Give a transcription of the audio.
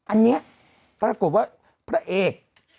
อันนี้ปรากฏว่าพระเอก